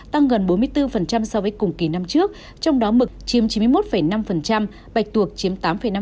tăng gần bốn mươi bốn so với cùng kỳ năm trước trong đó mực chiếm chín mươi một năm bạch tuộc chiếm tám năm